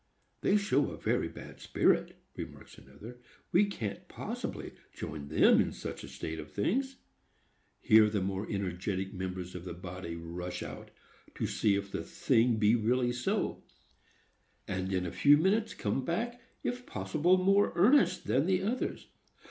"They show a very bad spirit," remarks another; "we can't possibly join them in such a state of things." Here the more energetic members of the body rush out, to see if the thing be really so: and in a few minutes come back, if possible more earnest than the others.